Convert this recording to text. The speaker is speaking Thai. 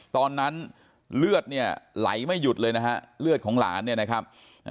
ตอนนั้นเลือดเนี่ยไหลไม่หยุดเลยนะฮะเลือดของหลานเนี่ยนะครับ